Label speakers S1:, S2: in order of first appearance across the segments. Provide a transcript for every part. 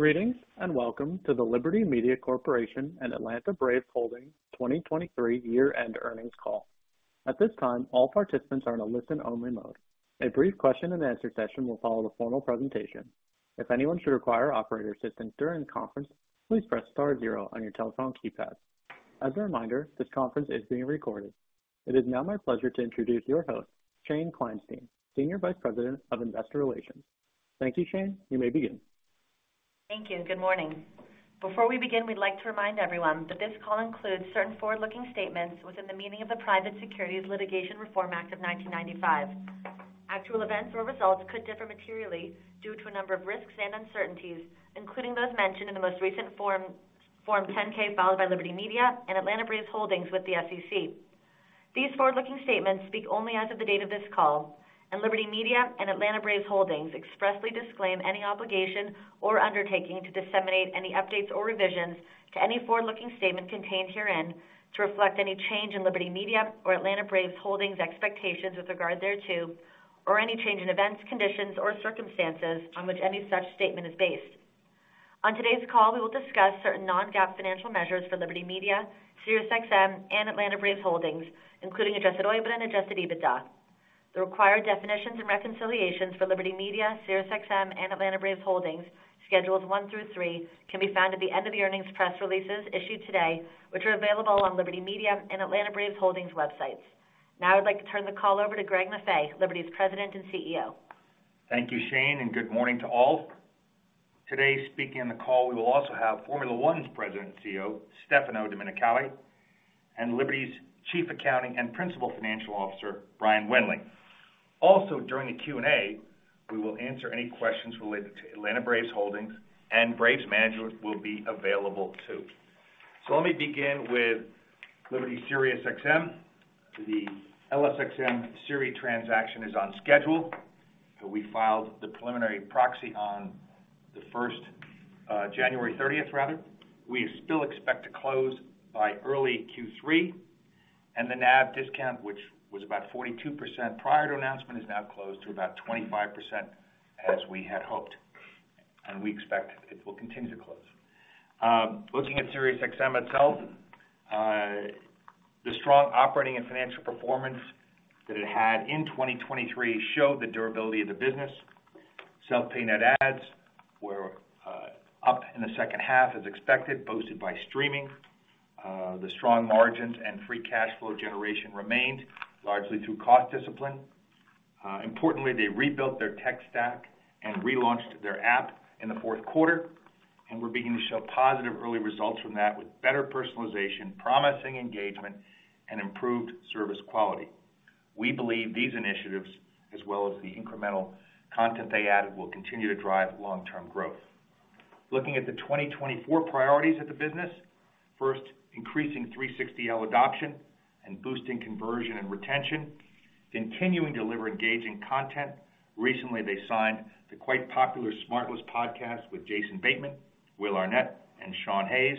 S1: Greetings and welcome to the Liberty Media Corporation and Atlanta Braves Holdings 2023 year-end earnings call. At this time, all participants are in a listen-only mode. A brief question-and-answer session will follow the formal presentation. If anyone should require operator assistance during the conference, please press star zero on your telephone keypad. As a reminder, this conference is being recorded. It is now my pleasure to introduce your host, Shane Kleinstein, Senior Vice President of Investor Relations. Thank you, Shane. You may begin.
S2: Thank you. Good morning. Before we begin, we'd like to remind everyone that this call includes certain forward-looking statements within the meaning of the Private Securities Litigation Reform Act of 1995. Actual events or results could differ materially due to a number of risks and uncertainties, including those mentioned in the most recent Form 10-K filed by Liberty Media and Atlanta Braves Holdings with the SEC. These forward-looking statements speak only as of the date of this call, and Liberty Media and Atlanta Braves Holdings expressly disclaim any obligation or undertaking to disseminate any updates or revisions to any forward-looking statement contained herein to reflect any change in Liberty Media or Atlanta Braves Holdings' expectations with regard thereto, or any change in events, conditions, or circumstances on which any such statement is based. On today's call, we will discuss certain non-GAAP financial measures for Liberty Media, Sirius XM, and Atlanta Braves Holdings, Adjusted OIBDA and adjusted EBITDA. The required definitions and reconciliations for Liberty Media, Sirius XM, and Atlanta Braves Holdings, Schedules one through three, can be found at the end of the earnings press releases issued today, which are available on the Liberty Media and Atlanta Braves Holdings websites. Now I'd like to turn the call over to Greg Maffei, Liberty's President and CEO.
S3: Thank you, Shane, and good morning to all. Today, speaking on the call, we will also have Formula One's President and CEO, Stefano Domenicali, and Liberty's Chief Accounting Officer and Principal Financial Officer, Brian Wendling. Also, during the Q&A, we will answer any questions related to Atlanta Braves Holdings, and Braves Management will be available too. So let me begin with Liberty Sirius XM. The LSXM-Sirius XM transaction is on schedule. We filed the preliminary proxy on the 1st, January 30th, rather. We still expect to close by early Q3, and the NAV discount, which was about 42% prior to announcement, is now closed to about 25% as we had hoped, and we expect it will continue to close. Looking at Sirius XM itself, the strong operating and financial performance that it had in 2023 showed the durability of the business. Self-pay net adds were up in the second half as expected, boosted by streaming. The strong margins and free cash flow generation remained largely through cost discipline. Importantly, they rebuilt their tech stack and relaunched their app in the fourth quarter, and we're beginning to show positive early results from that with better personalization, promising engagement, and improved service quality. We believe these initiatives, as well as the incremental content they added, will continue to drive long-term growth. Looking at the 2024 priorities at the business, first, increasing 360L adoption and boosting conversion and retention, continuing to deliver engaging content. Recently, they signed the quite popular SmartLess podcast with Jason Bateman, Will Arnett, and Sean Hayes.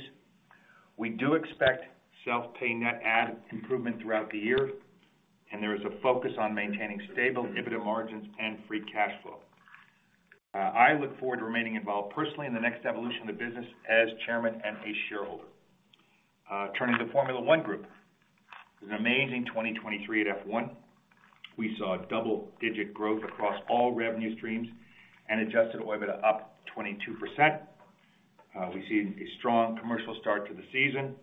S3: We do expect self-pay net add improvement throughout the year, and there is a focus on maintaining stable EBITDA margins and free cash flow. I look forward to remaining involved personally in the next evolution of the business as chairman and a shareholder. Turning to Formula One Group, it was an amazing 2023 at F1. We saw double-digit growth across all revenue streams Adjusted OIBDA to up 22%. We see a strong commercial start to the season,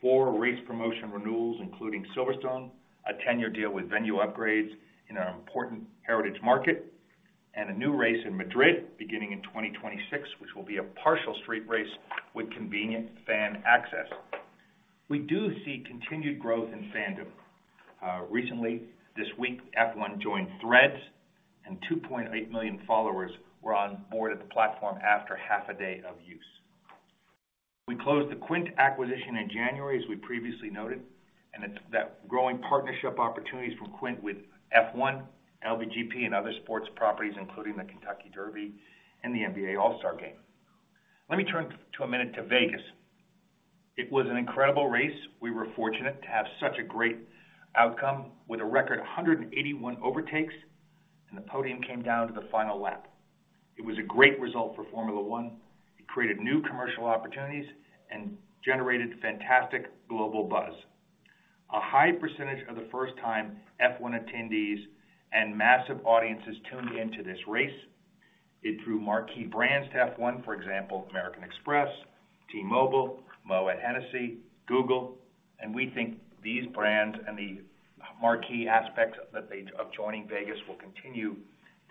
S3: four race promotion renewals including Silverstone, a ten-year deal with venue upgrades in our important heritage market, and a new race in Madrid beginning in 2026, which will be a partial street race with convenient fan access. We do see continued growth in fandom. Recently, this week, F1 joined Threads, and 2.8 million followers were on board at the platform after half a day of use. We closed the Quint acquisition in January, as we previously noted, and the growing partnership opportunities from Quint with F1, LBGP, and other sports properties, including the Kentucky Derby and the NBA All-Star Game. Let me turn to Vegas in a minute. It was an incredible race. We were fortunate to have such a great outcome with a record 181 overtakes, and the podium came down to the final lap. It was a great result for Formula One. It created new commercial opportunities and generated fantastic global buzz. A high percentage of the first-time F1 attendees and massive audiences tuned into this race. It drew marquee brands to F1, for example, American Express, T-Mobile, Moët Hennessy, Google, and we think these brands and the marquee aspects of joining Vegas will continue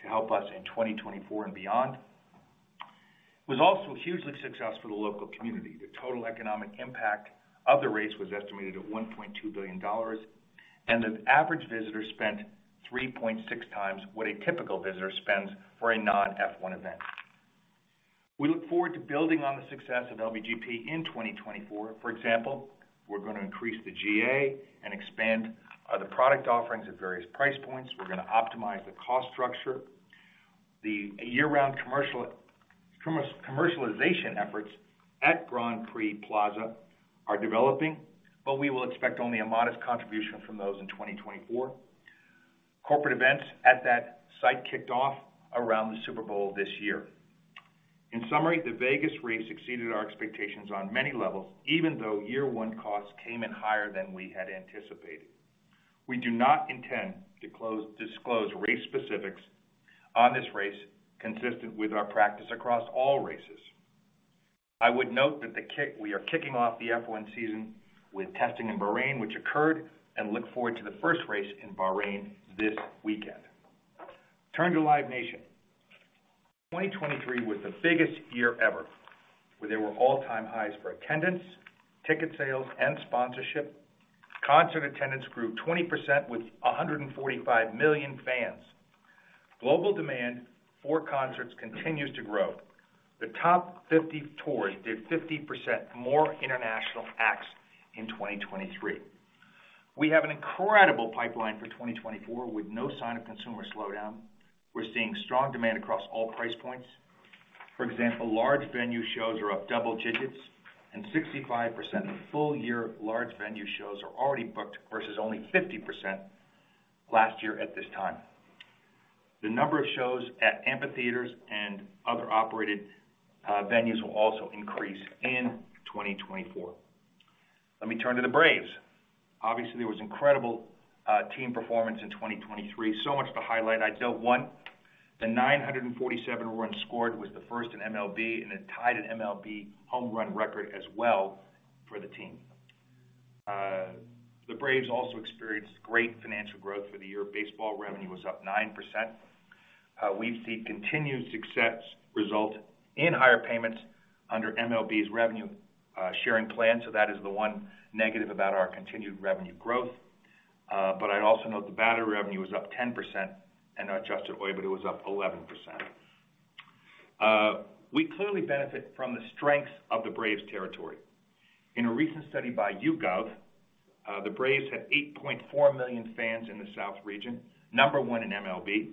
S3: to help us in 2024 and beyond. It was also hugely successful for the local community. The total economic impact of the race was estimated at $1.2 billion, and the average visitor spent 3.6x what a typical visitor spends for a non-F1 event. We look forward to building on the success of LBGP in 2024. For example, we're going to increase the GA and expand the product offerings at various price points. We're going to optimize the cost structure. The year-round commercialization efforts at Grand Prix Plaza are developing, but we will expect only a modest contribution from those in 2024. Corporate events at that site kicked off around the Super Bowl this year. In summary, the Vegas race exceeded our expectations on many levels, even though year-one costs came in higher than we had anticipated. We do not intend to disclose race specifics on this race consistent with our practice across all races. I would note that we are kicking off the F1 season with testing in Bahrain, which occurred, and look forward to the first race in Bahrain this weekend. Turning to Live Nation, 2023 was the biggest year ever, where there were all-time highs for attendance, ticket sales, and sponsorship. Concert attendance grew 20% with 145 million fans. Global demand for concerts continues to grow. The top 50 tours did 50% more international acts in 2023. We have an incredible pipeline for 2024 with no sign of consumer slowdown. We're seeing strong demand across all price points. For example, large venue shows are up double digits, and 65% of full-year large venue shows are already booked versus only 50% last year at this time. The number of shows at amphitheaters and other operated venues will also increase in 2024. Let me turn to the Braves. Obviously, there was incredible team performance in 2023, so much to highlight. I'd note one, the 947 runs scored was the first in MLB and tied an MLB home run record as well for the team. The Braves also experienced great financial growth for the year. Baseball revenue was up 9%. We've seen continued success result in higher payments under MLB's revenue sharing plan, so that is the one negative about our continued revenue growth. But I'd also note the Battery revenue was up 10%, Adjusted OIBDA was up 11%. We clearly benefit from the strengths of the Braves' territory. In a recent study by YouGov, the Braves had 8.4 million fans in the South region, number one in MLB,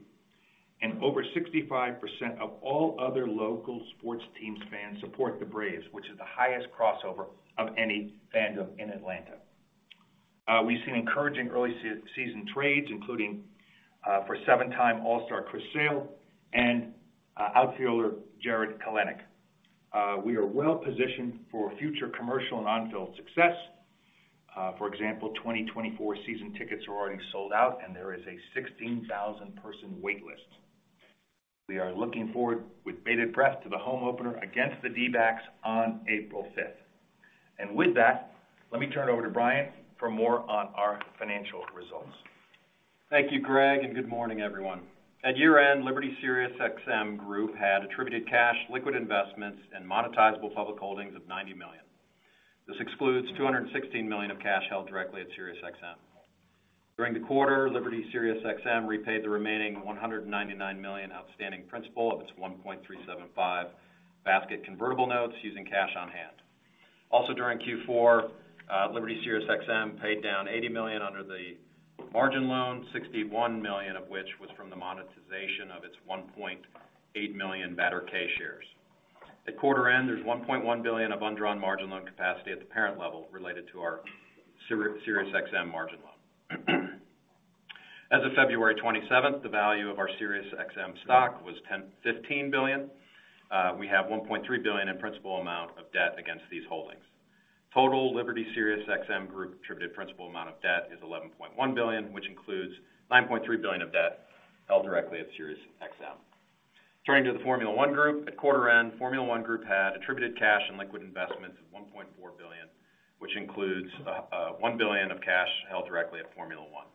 S3: and over 65% of all other local sports teams' fans support the Braves, which is the highest crossover of any fandom in Atlanta. We've seen encouraging early-season trades, including for seven-time All-Star Chris Sale and outfielder Jarred Kelenic. We are well-positioned for future commercial and on-field success. For example, 2024 season tickets are already sold out, and there is a 16,000-person waitlist. We are looking forward with bated breath to the home opener against the D-backs on April 5th. With that, let me turn over to Brian for more on our financial results.
S4: Thank you, Greg, and good morning, everyone. At year-end, Liberty Sirius XM Group had attributable cash, liquid investments, and monetizable public holdings of $90 million. This excludes $216 million of cash held directly at Sirius XM. During the quarter, Liberty Sirius XM repaid the remaining $199 million outstanding principal of its 1.375 basket convertible notes using cash on hand. Also, during Q4, Liberty Sirius XM paid down $80 million under the margin loan, $61 million of which was from the monetization of its 1.8 million Live Nation shares. At quarter-end, there's $1.1 billion of undrawn margin loan capacity at the parent level related to our Sirius XM margin loan. As of February 27th, the value of our Sirius XM stock was $15 billion. We have $1.3 billion in principal amount of debt against these holdings. Total Liberty Sirius XM Group attributed principal amount of debt is $11.1 billion, which includes $9.3 billion of debt held directly at Sirius XM. Turning to the Formula One Group, at quarter-end, Formula One Group had attributed cash and liquid investments of $1.4 billion, which includes $1 billion of cash held directly at Formula One.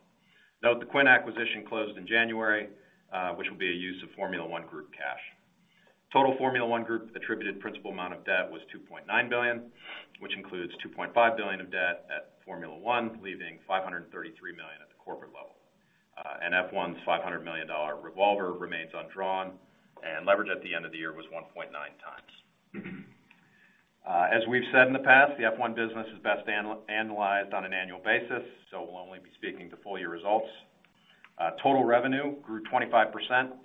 S4: Note the Quint acquisition closed in January, which will be a use of Formula One Group cash. Total Formula One Group attributed principal amount of debt was $2.9 billion, which includes $2.5 billion of debt at Formula One, leaving $533 million at the corporate level. F1's $500 million revolver remains undrawn, and leverage at the end of the year was 1.9x. As we've said in the past, the F1 business is best analyzed on an annual basis, so we'll only be speaking to full-year results. Total revenue grew 25%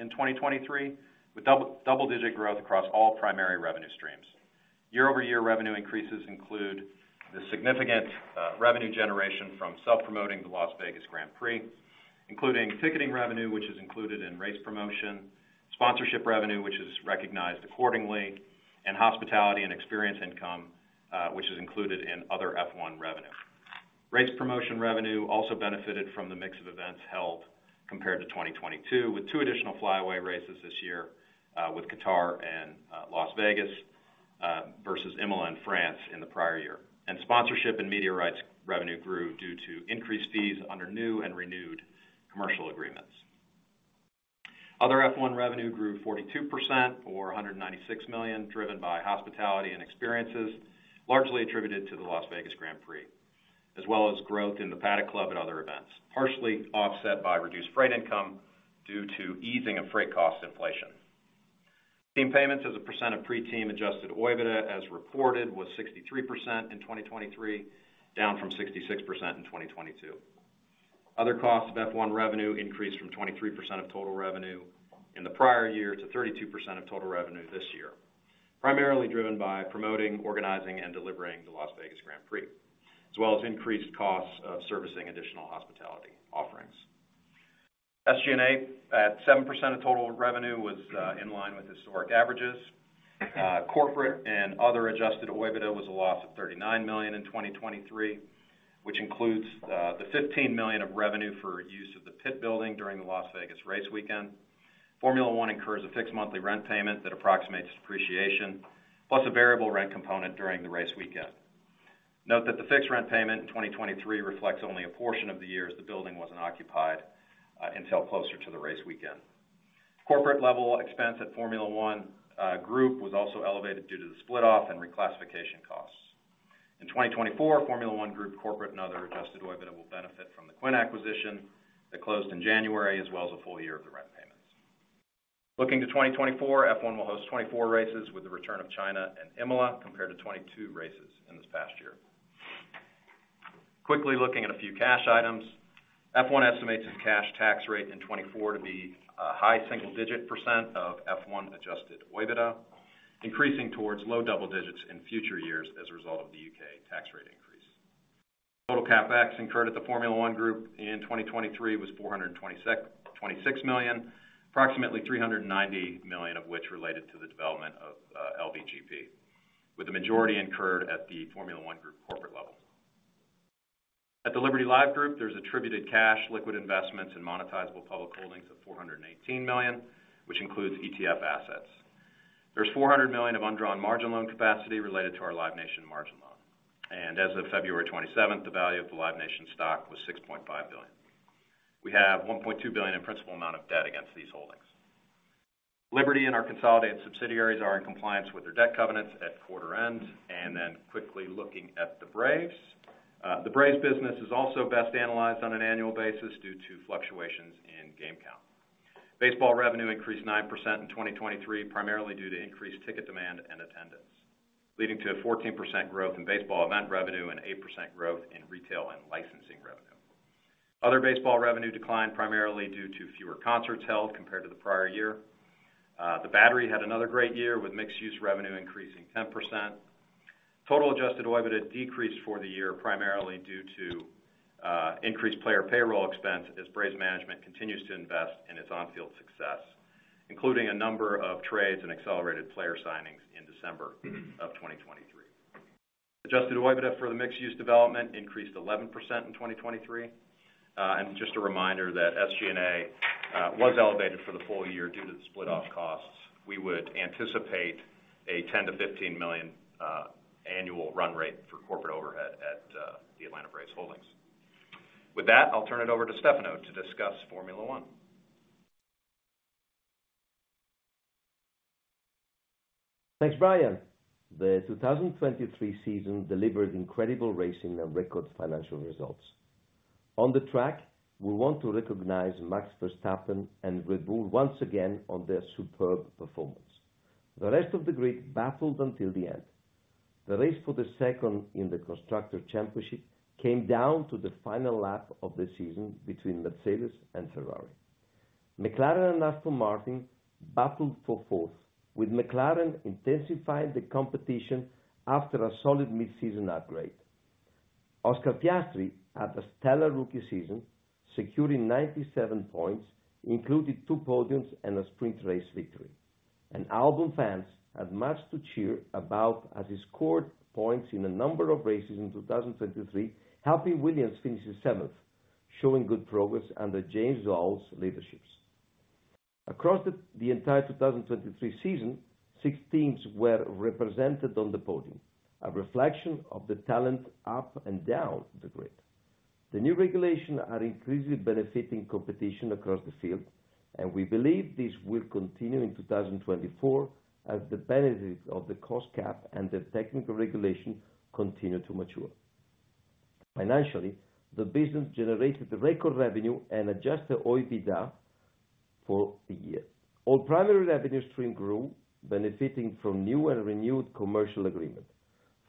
S4: in 2023 with double-digit growth across all primary revenue streams. Year-over-year revenue increases include the significant revenue generation from self-promoting the Las Vegas Grand Prix, including ticketing revenue, which is included in race promotion, sponsorship revenue, which is recognized accordingly, and hospitality and experience income, which is included in other F1 revenue. Race promotion revenue also benefited from the mix of events held compared to 2022, with 2 additional flyaway races this year with Qatar and Las Vegas versus Imola and France in the prior year. Sponsorship and media rights revenue grew due to increased fees under new and renewed commercial agreements. Other F1 revenue grew 42% or $196 million, driven by hospitality and experiences, largely attributed to the Las Vegas Grand Prix, as well as growth in the Paddock Club at other events, partially offset by reduced freight income due to easing of freight cost inflation. Team payments, as a percent of Adjusted OIBDA, as reported, was 63% in 2023, down from 66% in 2022. Other costs of F1 revenue increased from 23% of total revenue in the prior year to 32% of total revenue this year, primarily driven by promoting, organizing, and delivering the Las Vegas Grand Prix, as well as increased costs of servicing additional hospitality offerings. SG&A at 7% of total revenue was in line with historic averages. Corporate and Adjusted OIBDA was a loss of $39 million in 2023, which includes the $15 million of revenue for use of the pit building during the Las Vegas race weekend. Formula One incurs a fixed monthly rent payment that approximates depreciation, plus a variable rent component during the race weekend. Note that the fixed rent payment in 2023 reflects only a portion of the years the building wasn't occupied until closer to the race weekend. Corporate level expense at Formula One Group was also elevated due to the split-off and reclassification costs. In 2024, Formula One Group corporate and Adjusted OIBDA will benefit from the Quint acquisition that closed in January, as well as a full year of the rent payments. Looking to 2024, F1 will host 24 races with the return of China and Imola compared to 22 races in this past year. Quickly looking at a few cash items, F1 estimates its cash tax rate in 2024 to be a high single-digit percent of Adjusted OIBDA, increasing towards low double digits percent in future years as a result of the UK tax rate increase. Total CapEx incurred at the Formula One Group in 2023 was $426 million, approximately $390 million of which related to the development of LBGP, with the majority incurred at the Formula One Group corporate level. At the Liberty Live Group, there's attributed cash, liquid investments, and monetizable public holdings of $418 million, which includes ETF assets. There's $400 million of undrawn margin loan capacity related to our Live Nation margin loan. And as of February 27th, the value of the Live Nation stock was $6.5 billion. We have $1.2 billion in principal amount of debt against these holdings. Liberty and our consolidated subsidiaries are in compliance with their debt covenants at quarter-end. Then quickly looking at the Braves, the Braves business is also best analyzed on an annual basis due to fluctuations in game count. Baseball revenue increased 9% in 2023, primarily due to increased ticket demand and attendance, leading to a 14% growth in baseball event revenue and 8% growth in retail and licensing revenue. Other baseball revenue declined primarily due to fewer concerts held compared to the prior year. The Battery had another great year, with mixed-use revenue increasing 10%. Adjusted OIBDA decreased for the year, primarily due to increased player payroll expense, as Braves' management continues to invest in its on-field success, including a number of trades and accelerated player signings in December of Adjusted OIBDA for the mixed-use development increased 11% in 2023. Just a reminder that SG&A was elevated for the full year due to the split-off costs. We would anticipate a $10 million-$15 million annual run rate for corporate overhead at the Atlanta Braves Holdings. With that, I'll turn it over to Stefano to discuss Formula One.
S5: Thanks, Brian. The 2023 season delivered incredible racing and record financial results. On the track, we want to recognize Max Verstappen and Red Bull once again on their superb performance. The rest of the grid battled until the end. The race for second in the Constructors' Championship came down to the final lap of the season between Mercedes and Ferrari. McLaren and Aston Martin battled for fourth, with McLaren intensifying the competition after a solid mid-season upgrade. Oscar Piastri had a stellar rookie season, securing 97 points, including two podiums and a sprint race victory. Albon fans had much to cheer about as he scored points in a number of races in 2023, helping Williams finish seventh, showing good progress under James Vowles' leadership. Across the entire 2023 season, six teams were represented on the podium, a reflection of the talent up and down the grid. The new regulations are increasingly benefiting competition across the field, and we believe this will continue in 2024 as the benefits of the cost cap and the technical regulation continue to mature. Financially, the business generated record revenue Adjusted OIBDA for the year. All primary revenue stream grew, benefiting from new and renewed commercial agreements.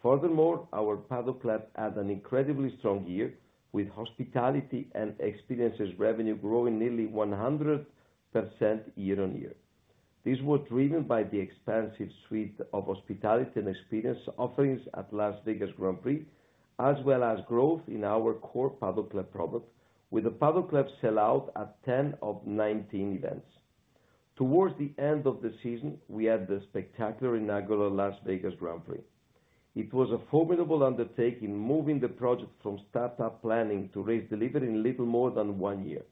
S5: Furthermore, our Paddock Club had an incredibly strong year, with hospitality and experiences revenue growing nearly 100% year-over-year. This was driven by the expansive suite of hospitality and experience offerings at Las Vegas Grand Prix, as well as growth in our core Paddock Club product, with the Paddock Club sell-out at 10 of 19 events. Towards the end of the season, we had the spectacular inaugural Las Vegas Grand Prix. It was a formidable undertaking moving the project from startup planning to race delivery in little more than one year.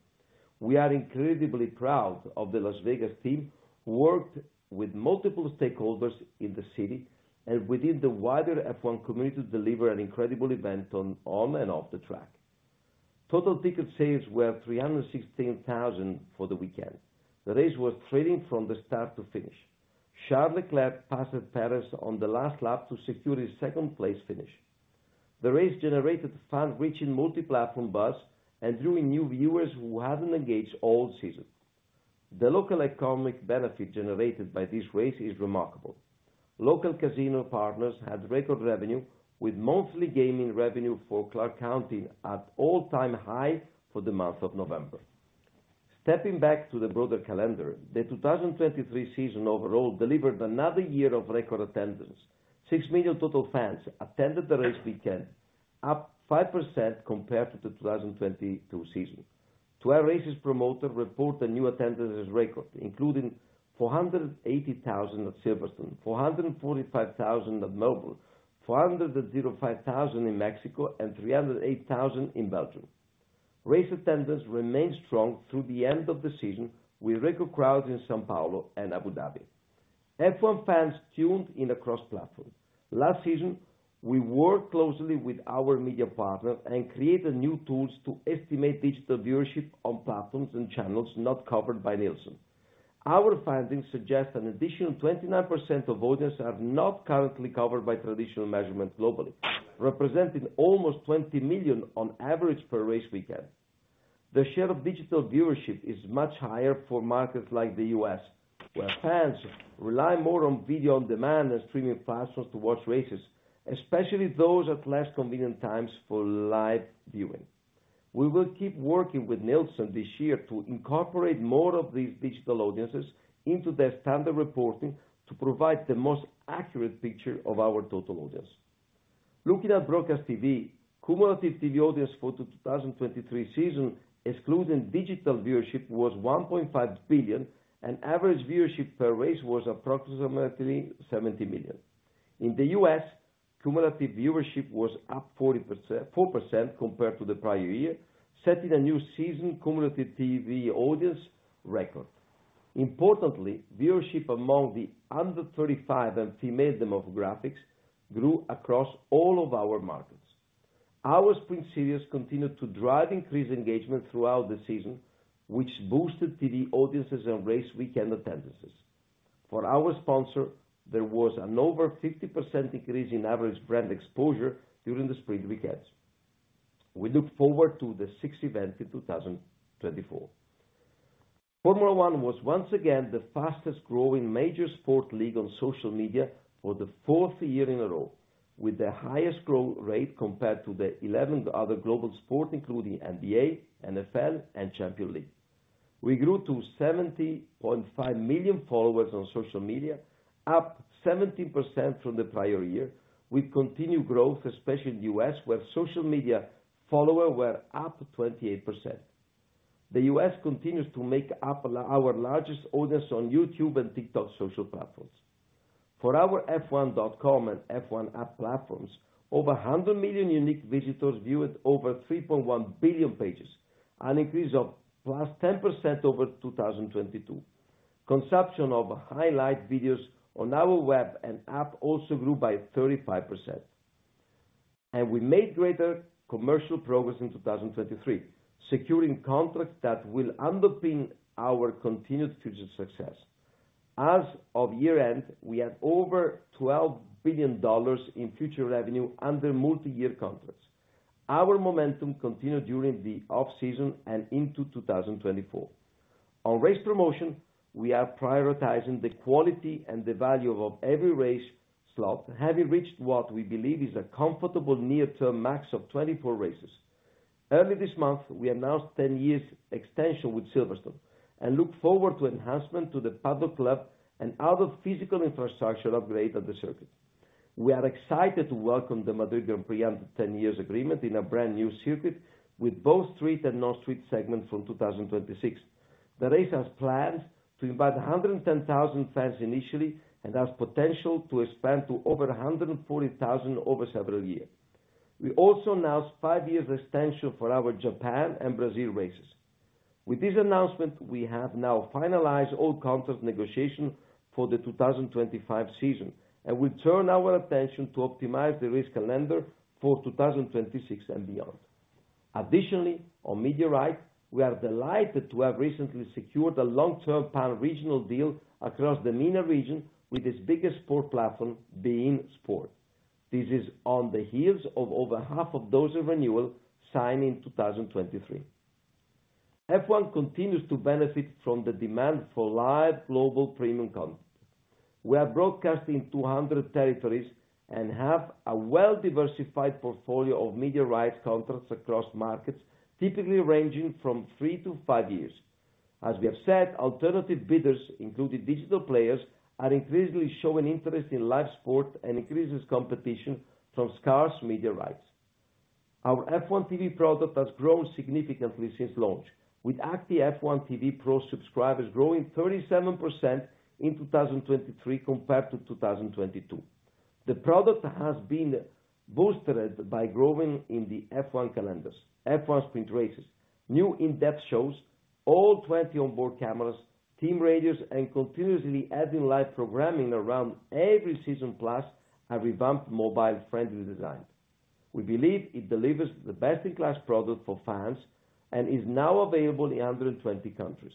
S5: We are incredibly proud of the Las Vegas team who worked with multiple stakeholders in the city and within the wider F1 community to deliver an incredible event on and off the track. Total ticket sales were 316,000 for the weekend. The race was thrilling from the start to finish. Charles Leclerc passed Pérez on the last lap to secure his second-place finish. The race generated fan-reaching multi-platform buzz and drew in new viewers who hadn't engaged all season. The local economic benefit generated by this race is remarkable. Local casino partners had record revenue, with monthly gaming revenue for Clark County at all-time high for the month of November. Stepping back to the broader calendar, the 2023 season overall delivered another year of record attendance. 6 million total fans attended the race weekend, up 5% compared to the 2022 season. 12 races promoters reported new attendance as record, including 480,000 at Silverstone, 445,000 at Melbourne, 405,000 in Mexico, and 308,000 in Belgium. Race attendance remained strong through the end of the season, with record crowds in São Paulo and Abu Dhabi. F1 fans tuned in across platforms. Last season, we worked closely with our media partner and created new tools to estimate digital viewership on platforms and channels not covered by Nielsen. Our findings suggest an additional 29% of audience are not currently covered by traditional measurements globally, representing almost 20 million on average per race weekend. The share of digital viewership is much higher for markets like the U.S., where fans rely more on video on demand and streaming platforms to watch races, especially those at less convenient times for live viewing. We will keep working with Nielsen this year to incorporate more of these digital audiences into their standard reporting to provide the most accurate picture of our total audience. Looking at broadcast TV, cumulative TV audience for the 2023 season, excluding digital viewership, was 1.5 billion, and average viewership per race was approximately 70 million. In the U.S., cumulative viewership was up 4% compared to the prior year, setting a new season cumulative TV audience record. Importantly, viewership among the under-35 and female demographics grew across all of our markets. Our sprint series continued to drive increased engagement throughout the season, which boosted TV audiences and race weekend attendances. For our sponsor, there was an over 50% increase in average brand exposure during the sprint weekends. We look forward to the sixth event in 2024. Formula One was once again the fastest-growing major sport league on social media for the fourth year in a row, with the highest growth rate compared to the 11 other global sports, including NBA, NFL, and Champions League. We grew to 70.5 million followers on social media, up 17% from the prior year, with continued growth, especially in the U.S., where social media followers were up 28%. The U.S. continues to make up our largest audience on YouTube and TikTok social platforms. For our F1.com and F1 app platforms, over 100 million unique visitors viewed over 3.1 billion pages, an increase of +10% over 2022. Consumption of highlight videos on our web and app also grew by 35%. We made greater commercial progress in 2023, securing contracts that will underpin our continued future success. As of year-end, we had over $12 billion in future revenue under multi-year contracts. Our momentum continued during the off-season and into 2024. On race promotion, we are prioritizing the quality and the value of every race slot, having reached what we believe is a comfortable near-term max of 24 races. Early this month, we announced 10-year extension with Silverstone and look forward to enhancements to the Paddock Club and other physical infrastructure upgrades at the circuit. We are excited to welcome the Madrid Grand Prix under 10-year agreement in a brand new circuit, with both street and non-street segments from 2026. The race has plans to invite 110,000 fans initially and has potential to expand to over 140,000 over several years. We also announced five years extension for our Japan and Brazil races. With this announcement, we have now finalized all contract negotiations for the 2025 season and will turn our attention to optimize the race calendar for 2026 and beyond. Additionally, on media rights, we are delighted to have recently secured a long-term panregional deal across the MENA region, with its biggest sport platform beIN SPORTS. This is on the heels of over half of those in renewal signed in 2023. F1 continues to benefit from the demand for live global premium content. We are broadcasting in 200 territories and have a well-diversified portfolio of media rights contracts across markets, typically ranging from three to five years. As we have said, alternative bidders, including digital players, are increasingly showing interest in live sport and increases competition from scarce media rights. Our F1 TV product has grown significantly since launch, with Active F1 TV Pro subscribers growing 37% in 2023 compared to 2022. The product has been boosted by growing in the F1 calendar, F1 sprint races, new in-depth shows, all 20 onboard cameras, team radios, and continuously adding live programming around every season plus a revamped mobile-friendly design. We believe it delivers the best-in-class product for fans and is now available in 120 countries.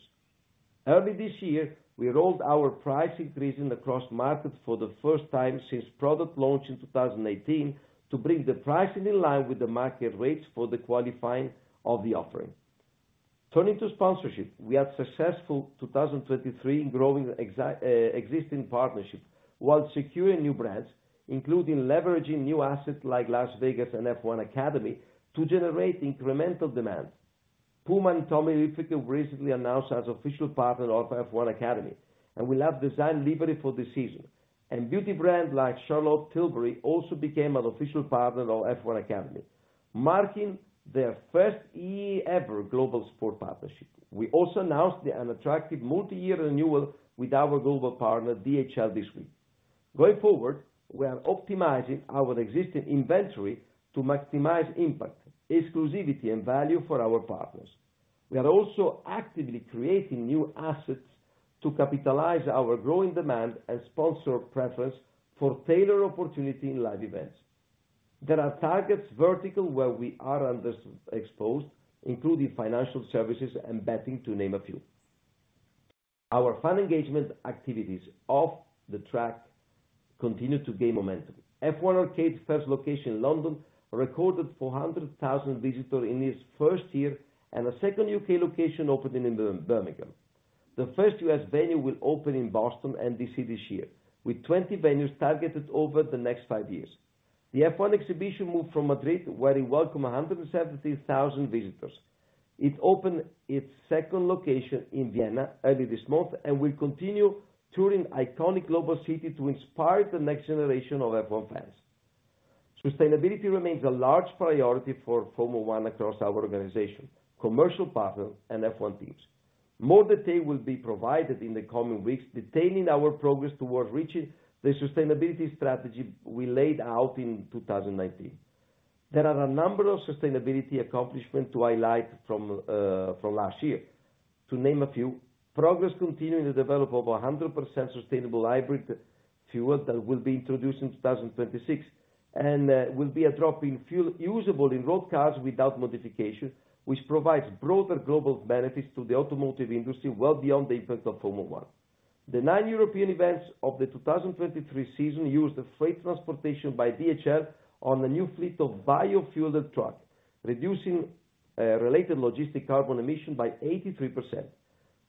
S5: Early this year, we rolled our price increase across markets for the first time since product launch in 2018 to bring the pricing in line with the market rates for the qualifying of the offering. Turning to sponsorship, we had a successful 2023 in growing existing partnerships while securing new brands, including leveraging new assets like Las Vegas and F1 Academy to generate incremental demand. Puma and Tommy Hilfiger were recently announced as official partners of F1 Academy, and we left design liberty for this season. Beauty brands like Charlotte Tilbury also became an official partner of F1 Academy, marking their first ever global sport partnership. We also announced an attractive multi-year renewal with our global partner DHL this week. Going forward, we are optimizing our existing inventory to maximize impact, exclusivity, and value for our partners. We are also actively creating new assets to capitalize on our growing demand and sponsor preference for tailored opportunities in live events. There are target verticals where we are underexposed, including financial services and betting, to name a few. Our fan engagement activities off the track continue to gain momentum. F1 Arcade's first location in London recorded 400,000 visitors in its first year, and a second UK location opened in Birmingham. The first US venue will open in Boston and DC this year, with 20 venues targeted over the next five years. The F1 Exhibition moved from Madrid, where it welcomed 170,000 visitors. It opened its second location in Vienna early this month and will continue touring iconic global cities to inspire the next generation of F1 fans. Sustainability remains a large priority for Formula One across our organization, commercial partners, and F1 teams. More detail will be provided in the coming weeks detailing our progress towards reaching the sustainability strategy we laid out in 2019. There are a number of sustainability accomplishments to highlight from last year. To name a few, progress continuing to develop over 100% sustainable hybrid fuel that will be introduced in 2026 and will be a drop in fuel usable in road cars without modification, which provides broader global benefits to the automotive industry well beyond the impact of Formula One. The nine European events of the 2023 season used freight transportation by DHL on a new fleet of biofueled trucks, reducing related logistic carbon emissions by 83%.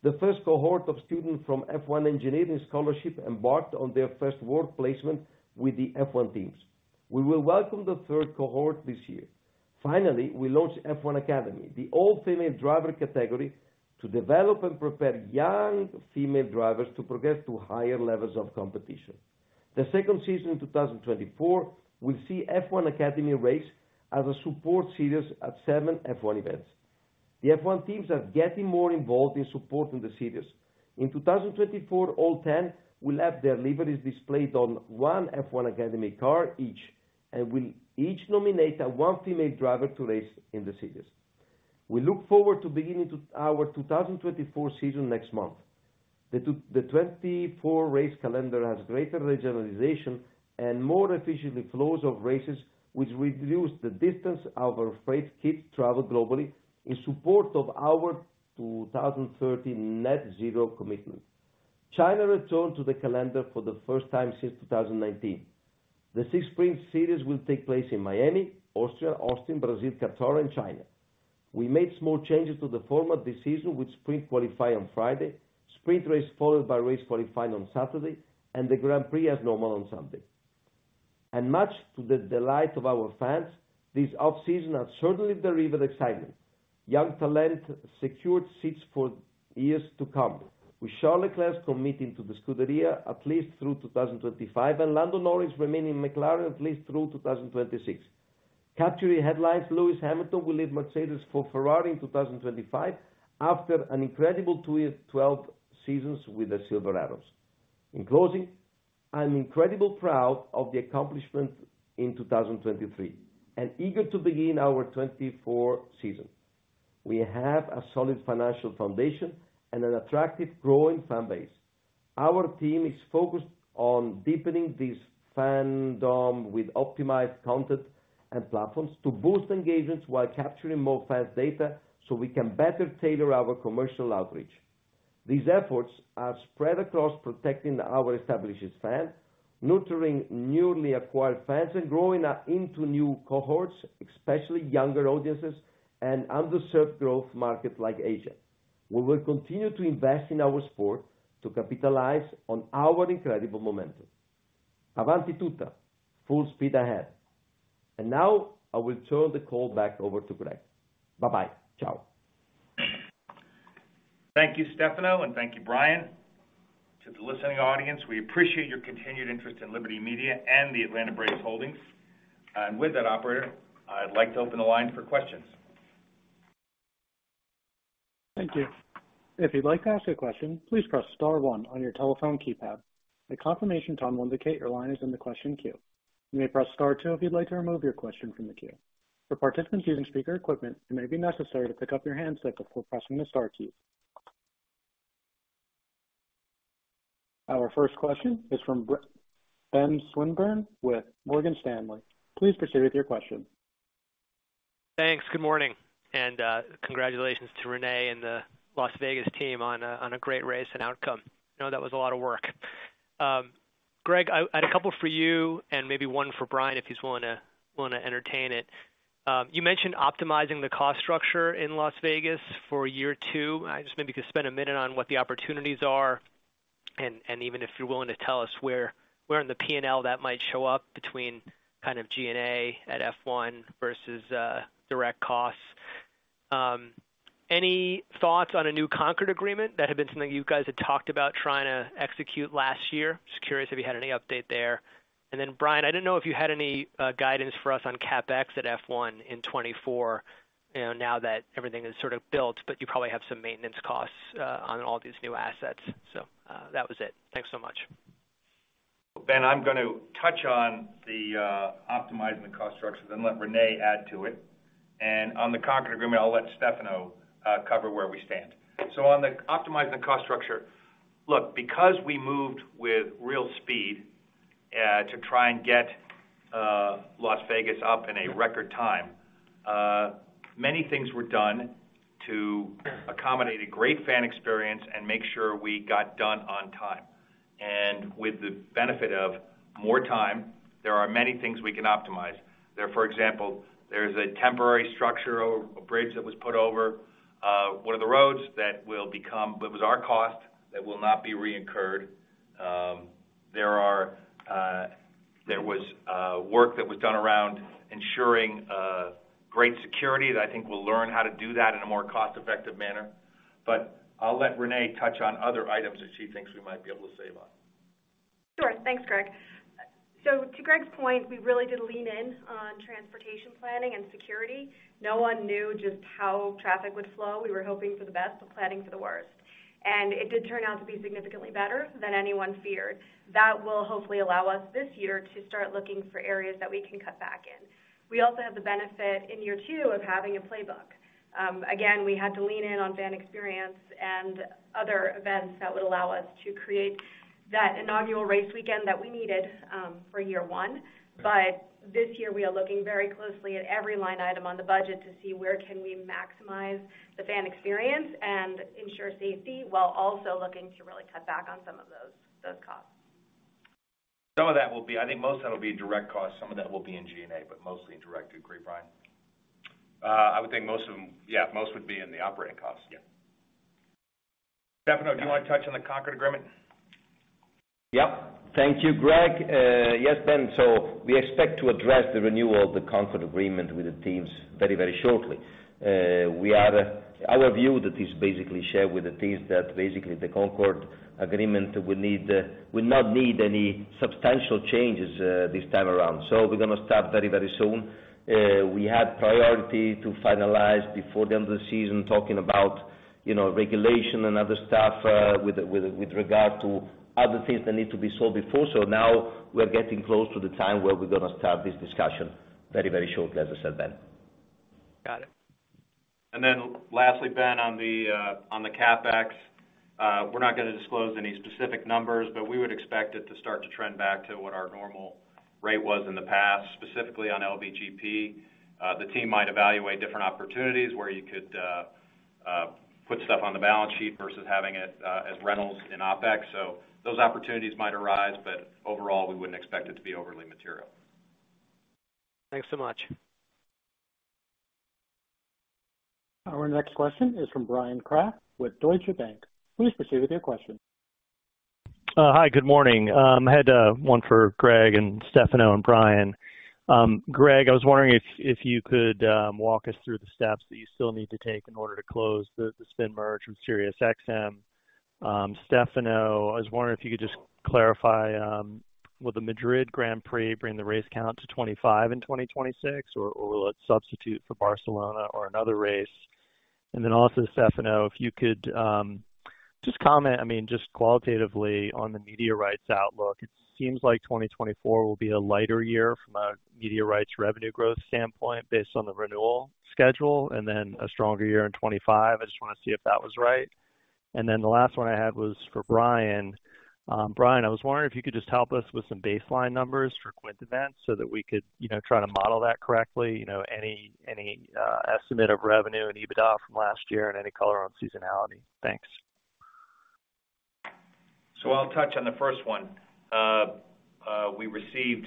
S5: The first cohort of students from F1 engineering scholarships embarked on their first work placement with the F1 teams. We will welcome the third cohort this year. Finally, we launched F1 Academy, the all-female driver category, to develop and prepare young female drivers to progress to higher levels of competition. The second season in 2024 will see F1 Academy race as a support series at seven F1 events. The F1 teams are getting more involved in supporting the series. In 2024, all 10 will have their liveries displayed on one F1 Academy car each and will each nominate one female driver to race in the series. We look forward to beginning our 2024 season next month. The 2024 race calendar has greater regionalization and more efficient flows of races, which reduce the distance our freight kits travel globally in support of our 2030 net-zero commitment. China returned to the calendar for the first time since 2019. The six-sprint series will take place in Miami, Austria, Austin, Brazil, Qatar, and China. We made small changes to the format this season, with sprint qualifying on Friday, sprint race followed by race qualifying on Saturday, and the Grand Prix as normal on Sunday. Much to the delight of our fans, this off-season has certainly delivered excitement. Young talent secured seats for years to come, with Charles Leclerc committing to the Scuderia at least through 2025 and Lando Norris remaining in McLaren at least through 2026. Capturing headlines, Lewis Hamilton will leave Mercedes for Ferrari in 2025 after an incredible two-year, 12 seasons with the Silver Arrows. In closing, I'm incredibly proud of the accomplishments in 2023 and eager to begin our 2024 season. We have a solid financial foundation and an attractive, growing fan base. Our team is focused on deepening this fandom with optimized content and platforms to boost engagement while capturing more fans' data so we can better tailor our commercial outreach. These efforts are spread across protecting our established fans, nurturing newly acquired fans, and growing into new cohorts, especially younger audiences and underserved growth markets like Asia. We will continue to invest in our sport to capitalize on our incredible momentum. Avanti tutta, full speed ahead. Now I will turn the call back over to Greg. Bye-bye. Ciao.
S3: Thank you, Stefano, and thank you, Brian. To the listening audience, we appreciate your continued interest in Liberty Media and the Atlanta Braves Holdings. With that, operator, I'd like to open the line for questions.
S1: Thank you. If you'd like to ask a question, please press star one on your telephone keypad. The confirmation tone will indicate your line is in the question queue. You may press star two if you'd like to remove your question from the queue. For participants using speaker equipment, it may be necessary to pick up your handset before pressing the star key. Our first question is from Ben Swinburn with Morgan Stanley. Please proceed with your question.
S6: Thanks. Good morning. Congratulations to Renee and the Las Vegas team on a great race and outcome. I know that was a lot of work. Greg, I had a couple for you and maybe one for Brian if he's willing to entertain it. You mentioned optimizing the cost structure in Las Vegas for year two. I just maybe could spend a minute on what the opportunities are and even if you're willing to tell us where in the P&L that might show up between kind of G&A at F1 versus direct costs. Any thoughts on a new Concorde Agreement? That had been something you guys had talked about trying to execute last year. Just curious if you had any update there. And then, Brian, I didn't know if you had any guidance for us on CapEx at F1 in 2024 now that everything is sort of built, but you probably have some maintenance costs on all these new assets. So that was it. Thanks so much.
S3: Ben, I'm going to touch on the optimizing the cost structures and let Renee add to it. And on the Concorde Agreement, I'll let Stefano cover where we stand. So, on the optimizing the cost structure, look, because we moved with real speed to try and get Las Vegas up in a record time, many things were done to accommodate a great fan experience and make sure we got done on time. And with the benefit of more time, there are many things we can optimize. For example, there's a temporary structure, a bridge that was put over one of the roads that will become it was our cost that will not be re-incurred. There was work that was done around ensuring great security. I think we'll learn how to do that in a more cost-effective manner. But I'll let Renee touch on other items that she thinks we might be able to save on.
S7: Sure. Thanks, Greg. So to Greg's point, we really did lean in on transportation planning and security. No one knew just how traffic would flow. We were hoping for the best but planning for the worst. It did turn out to be significantly better than anyone feared. That will hopefully allow us this year to start looking for areas that we can cut back in. We also have the benefit in year two of having a playbook. Again, we had to lean in on fan experience and other events that would allow us to create that inaugural race weekend that we needed for year one. This year, we are looking very closely at every line item on the budget to see where can we maximize the fan experience and ensure safety while also looking to really cut back on some of those costs.
S3: Some of that will be, I think, most of that will be direct costs. Some of that will be in G&A, but mostly in direct. Do you agree, Brian?
S4: I would think most of them yeah, most would be in the operating costs. Yeah.
S3: Stefano, do you want to touch on the Concorde Agreement?
S5: Yep. Thank you, Greg. Yes, Ben. So we expect to address the renewal of the Concorde Agreement with the teams very, very shortly. Our view that is basically shared with the teams is that basically the Concorde Agreement will not need any substantial changes this time around. So we're going to start very, very soon. We had priority to finalize before the end of the season talking about regulation and other stuff with regard to other things that need to be solved before. So now we are getting close to the time where we're going to start this discussion very, very shortly, as I said, Ben.
S4: Got it. And then lastly, Ben, on the CapEx, we're not going to disclose any specific numbers, but we would expect it to start to trend back to what our normal rate was in the past, specifically on LBGP. The team might evaluate different opportunities where you could put stuff on the balance sheet versus having it as rentals in OpEx. So those opportunities might arise, but overall, we wouldn't expect it to be overly material.
S6: Thanks so much.
S1: Our next question is from Bryan Kraft with Deutsche Bank. Please proceed with your question.
S8: Hi. Good morning. I had one for Greg and Stefano and Brian. Greg, I was wondering if you could walk us through the steps that you still need to take in order to close the spin merge with Sirius XM. Stefano, I was wondering if you could just clarify, will the Madrid Grand Prix bring the race count to 25 in 2026, or will it substitute for Barcelona or another race? And then also, Stefano, if you could just comment, I mean, just qualitatively on the media rights outlook. It seems like 2024 will be a lighter year from a media rights revenue growth standpoint based on the renewal schedule and then a stronger year in 2025. I just want to see if that was right. And then the last one I had was for Brian. Brian, I was wondering if you could just help us with some baseline numbers for QuintEvents so that we could try to model that correctly, any estimate of revenue and EBITDA from last year and any color on seasonality. Thanks. So I'll touch on the first one.
S4: We received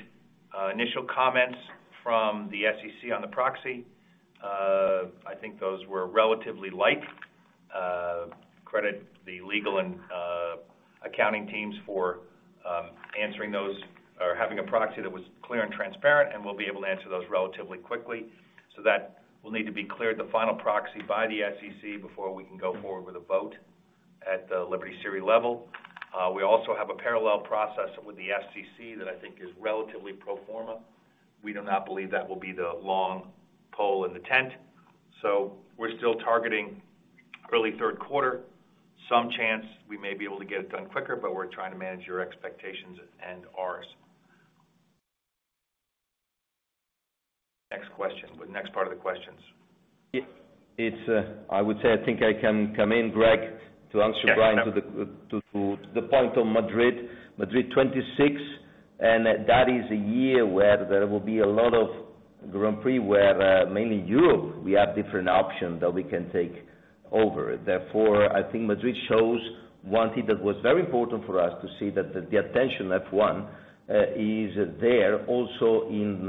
S4: initial comments from the SEC on the proxy. I think those were relatively light. Credit the legal and accounting teams for answering those or having a proxy that was clear and transparent, and we'll be able to answer those relatively quickly. So that will need to be cleared, the final proxy, by the SEC before we can go forward with a vote at the Liberty Series level. We also have a parallel process with the SEC that I think is relatively pro forma. We do not believe that will be the long pole in the tent. So we're still targeting early third quarter. Some chance we may be able to get it done quicker, but we're trying to manage your expectations and ours. Next question or next part of the questions.
S5: I would say I think I can come in, Greg, to answer Brian to the point on Madrid, Madrid 2026. That is a year where there will be a lot of Grand Prix where mainly Europe, we have different options that we can take over. Therefore, I think Madrid shows one thing that was very important for us to see, that the attention F1 is there also in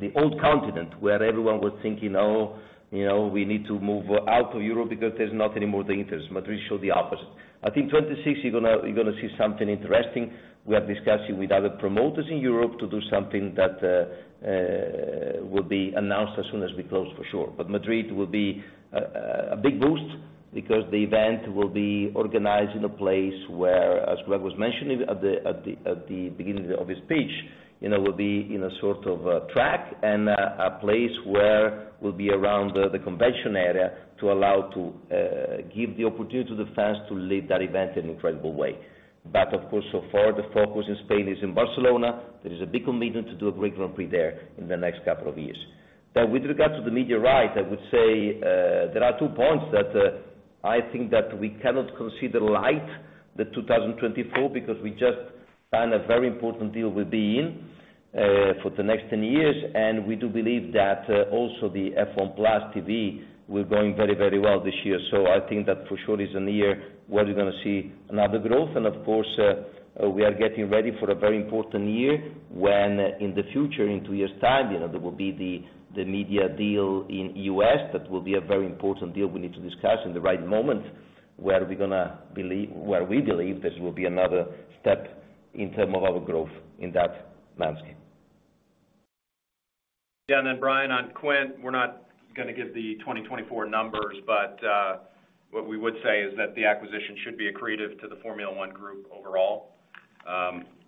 S5: the old continent where everyone was thinking, "Oh, we need to move out of Europe because there's not anymore the interest." Madrid showed the opposite. I think 2026, you're going to see something interesting. We are discussing with other promoters in Europe to do something that will be announced as soon as we close, for sure. But Madrid will be a big boost because the event will be organized in a place where, as Greg was mentioning at the beginning of his speech, will be in a sort of track and a place where will be around the convention area to allow to give the opportunity to the fans to live that event in an incredible way. But of course, so far, the focus in Spain is in Barcelona. There is a big commitment to do a great Grand Prix there in the next couple of years. With regard to the media rights, I would say there are two points that I think that we cannot consider light, the 2024, because we just signed a very important deal we'll be in for the next 10 years. We do believe that also the F1 Plus TV will be going very, very well this year. So I think that for sure is a year where we're going to see another growth. And of course, we are getting ready for a very important year when in the future, in two years' time, there will be the media deal in the U.S.. That will be a very important deal we need to discuss in the right moment where we're going to believe where we believe this will be another step in terms of our growth in that landscape.
S3: Yeah. And then Brian, on Quint, we're not going to give the 2024 numbers, but what we would say is that the acquisition should be accretive to the Formula One group overall.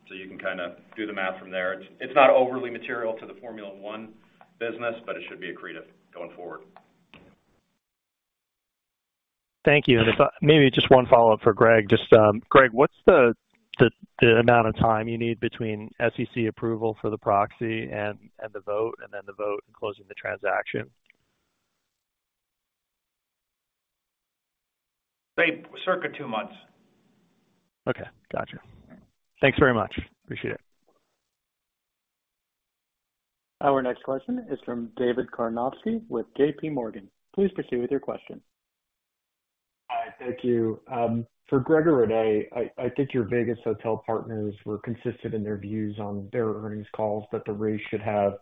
S3: So you can kind of do the math from there. It's not overly material to the Formula One business, but it should be accretive going forward.
S8: Thank you. And maybe just one follow-up for Greg. Just Greg, what's the amount of time you need between SEC approval for the proxy and the vote and then the vote and closing the transaction?
S3: Circa two months.
S8: Okay. Gotcha. Thanks very much. Appreciate it.
S1: Our next question is from David Karnovsky with JPMorgan. Please proceed with your question.
S9: Hi. Thank you. For Greg or Renee, I think your Vegas Hotel partners were consistent in their views on their earnings calls that the race should have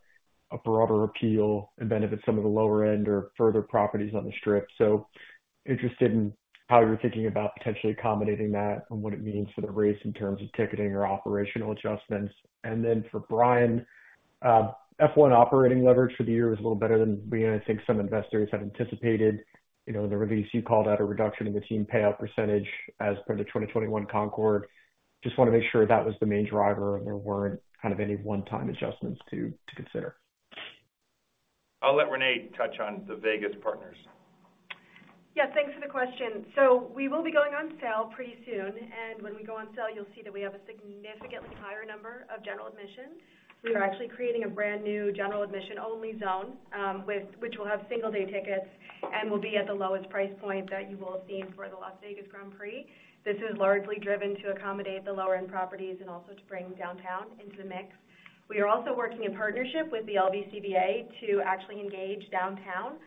S9: a broader appeal and benefit some of the lower end or further properties on the Strip. So interested in how you're thinking about potentially accommodating that and what it means for the race in terms of ticketing or operational adjustments. And then for Brian, F1 operating leverage for the year was a little better than we and I think some investors had anticipated. In the release, you called out a reduction in the team payout percentage as per the 2021 Concord. Just want to make sure that was the main driver and there weren't kind of any one-time adjustments to consider.
S3: I'll let Renee touch on the Vegas partners.
S7: Yeah. Thanks for the question. So we will be going on sale pretty soon. When we go on sale, you'll see that we have a significantly higher number of general admissions. We are actually creating a brand new general admission-only zone, which will have single-day tickets and will be at the lowest price point that you will have seen for the Las Vegas Grand Prix. This is largely driven to accommodate the lower-end properties and also to bring downtown into the mix. We are also working in partnership with the LVCVA to actually engage downtown,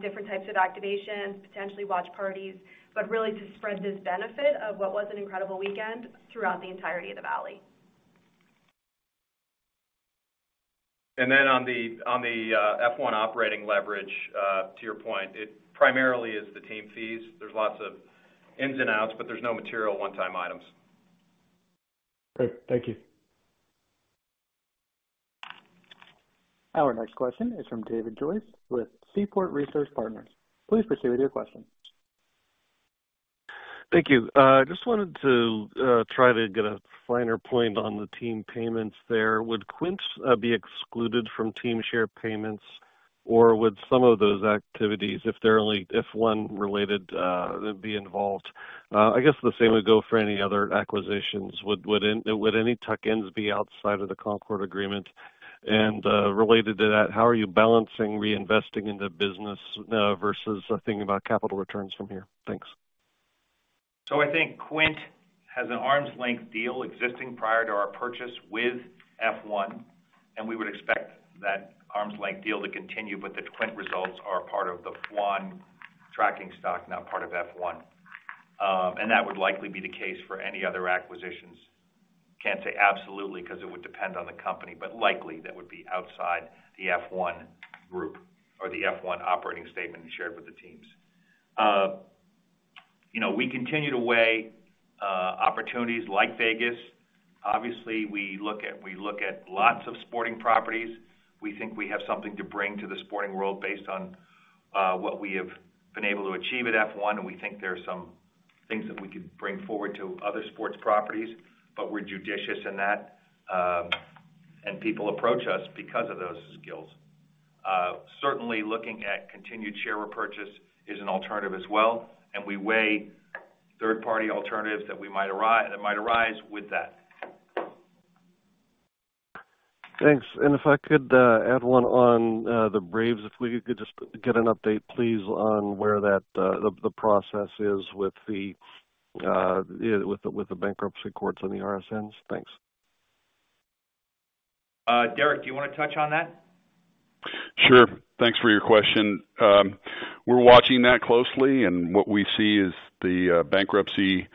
S7: different types of activations, potentially watch parties, but really to spread this benefit of what was an incredible weekend throughout the entirety of the valley.
S3: And then on the F1 operating leverage, to your point, it primarily is the team fees. There's lots of ins and outs, but there's no material one-time items.
S9: Great. Thank you.
S1: Our next question is from David Joyce with Seaport Research Partners. Please proceed with your question.
S10: Thank you. Just wanted to try to get a finer point on the team payments there. Would Quint be excluded from team-share payments, or would some of those activities, if one related, be involved? I guess the same would go for any other acquisitions. Would any tuck-ins be outside of the Concorde Agreement? And related to that, how are you balancing reinvesting into business versus thinking about capital returns from here?
S3: Thanks. I think Quint has an arm's-length deal existing prior to our purchase with F1, and we would expect that arm's-length deal to continue. But the Quint results are part of the F1 tracking stock, not part of F1. And that would likely be the case for any other acquisitions. Can't say absolutely because it would depend on the company, but likely that would be outside the F1 group or the F1 operating statement shared with the teams. We continue to weigh opportunities like Vegas. Obviously, we look at lots of sporting properties. We think we have something to bring to the sporting world based on what we have been able to achieve at F1. We think there are some things that we could bring forward to other sports properties, but we're judicious in that. People approach us because of those skills. Certainly, looking at continued share repurchase is an alternative as well. We weigh third-party alternatives that might arise with that.
S10: Thanks. If I could add one on the Braves, if we could just get an update, please, on where the process is with the bankruptcy courts on the RSNs. Thanks. Derek, do you want to touch on that?
S11: Sure. Thanks for your question. We're watching that closely. What we see is the bankruptcy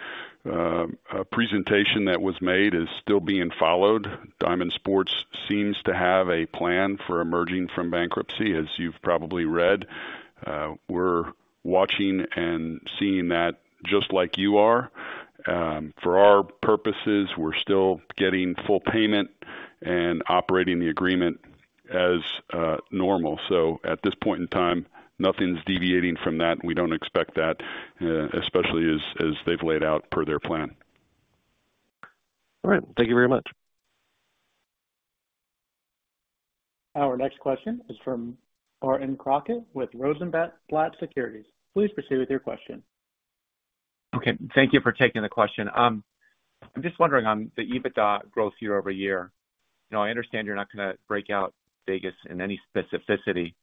S11: presentation that was made is still being followed. Diamond Sports seems to have a plan for emerging from bankruptcy, as you've probably read. We're watching and seeing that just like you are. For our purposes, we're still getting full payment and operating the agreement as normal. So at this point in time, nothing's deviating from that. We don't expect that, especially as they've laid out per their plan.
S10: All right. Thank you very much.
S1: Our next question is from Barton Crockett with Rosenblatt Securities. Please proceed with your question.
S12: Okay. Thank you for taking the question. I'm just wondering on the EBITDA growth year-over-year. I understand you're not going to break out Vegas in any specificity,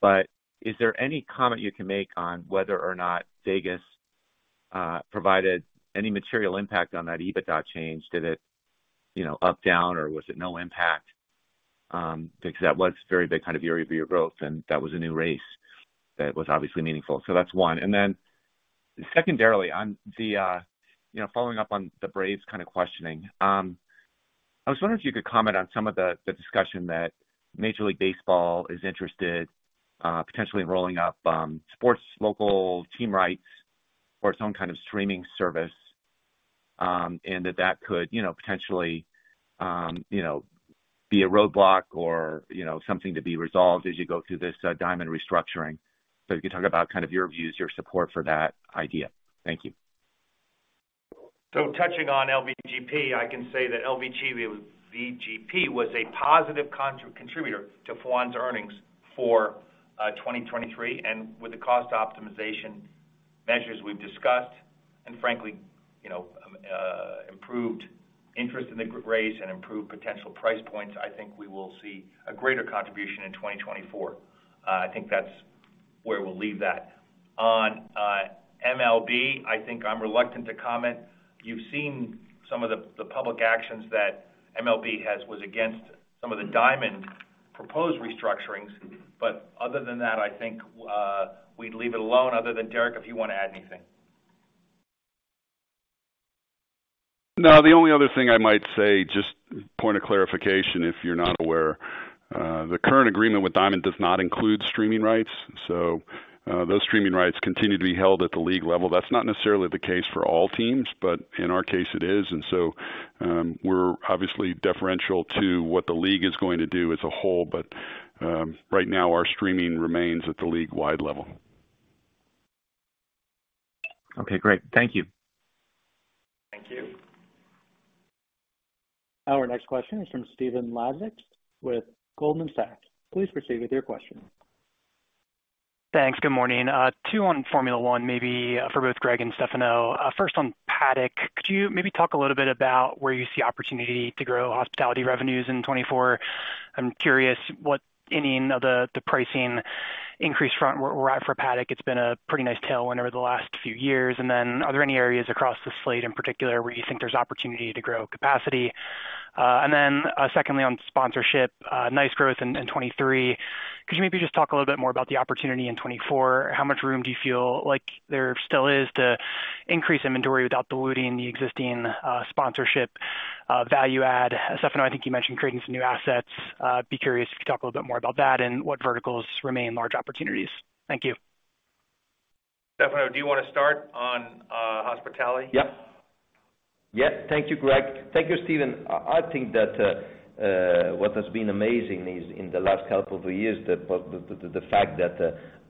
S12: but is there any comment you can make on whether or not Vegas provided any material impact on that EBITDA change? Did it up down, or was it no impact? Because that was a very big kind of year-over-year growth, and that was a new race that was obviously meaningful. So that's one. And then secondarily, following up on the Braves kind of questioning, I was wondering if you could comment on some of the discussion that Major League Baseball is interested potentially in rolling up sports local team rights for its own kind of streaming service and that that could potentially be a roadblock or something to be resolved as you go through this Diamond restructuring. So if you could talk about kind of your views, your support for that idea. Thank you.
S3: So touching on LVGP, I can say that LVGP was a positive contributor to F1's earnings for 2023. And with the cost optimization measures we've discussed and, frankly, improved interest in the race and improved potential price points, I think we will see a greater contribution in 2024. I think that's where we'll leave that. On MLB, I think I'm reluctant to comment. You've seen some of the public actions that MLB was against some of the Diamond proposed restructurings. But other than that, I think we'd leave it alone. Other than Derek, if you want to add anything.
S11: No. The only other thing I might say, just point of clarification if you're not aware, the current agreement with Diamond does not include streaming rights. So those streaming rights continue to be held at the league level. That's not necessarily the case for all teams, but in our case, it is. And so we're obviously deferential to what the league is going to do as a whole. But right now, our streaming remains at the league-wide level.
S12: Okay. Great. Thank you.
S11: Thank you.
S1: Our next question is from Stephen Laszczyk with Goldman Sachs. Please proceed with your question.
S13: Thanks. Good morning. Two on Formula One, maybe for both Greg and Stefano. First, on Paddock. Could you maybe talk a little bit about where you see opportunity to grow hospitality revenues in 2024? I'm curious what, if any, pricing increases from where we're at for Paddock. It's been a pretty nice tailwind over the last few years. And then are there any areas across the slate in particular where you think there's opportunity to grow capacity? And then secondly, on sponsorship, nice growth in 2023. Could you maybe just talk a little bit more about the opportunity in 2024? How much room do you feel like there still is to increase inventory without diluting the existing sponsorship value add? Stefano, I think you mentioned creating some new assets. I'd be curious if you could talk a little bit more about that and what verticals remain large opportunities. Thank you.
S3: Stefano, do you want to start on hospitality?
S5: Yep. Yep. Thank you, Greg. Thank you, Stephen. I think that what has been amazing in the last couple of years is the fact that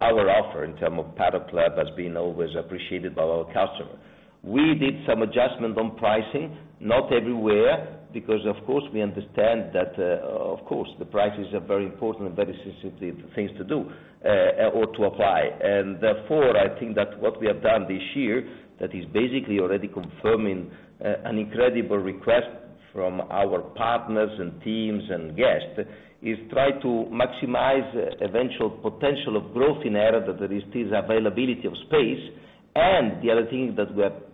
S5: our offer in terms of Paddock Club has been always appreciated by our customer. We did some adjustment on pricing, not everywhere, because, of course, we understand that, of course, the prices are very important and very sensitive things to do or to apply. And therefore, I think that what we have done this year, that is basically already confirming an incredible request from our partners and teams and guests, is try to maximize eventual potential of growth in the area that there is still availability of space. And the other thing that